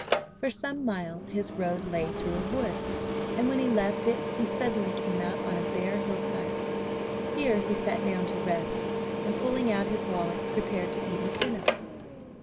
For some miles his road lay through a wood, and when he left it he suddenly came out on a bare hillside. Here he sat down to rest, and pulling out his wallet prepared to eat his dinner.